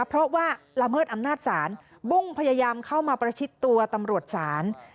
เพราะว่าละเมิดอำนาจศาลบุ้งพยายามเข้ามาประชิดตัวตำรวจศาล